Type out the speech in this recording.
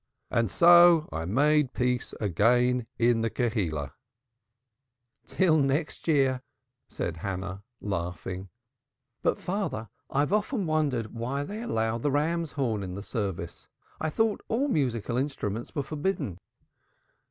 And so I made peace again in the Kehillah." "Till next year," said Hannah, laughing. "But, father, I have often wondered why they allow the ram's horn in the service. I thought all musical instruments were forbidden."